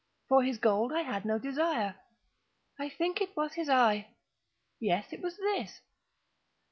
For his gold I had no desire. I think it was his eye! yes, it was this!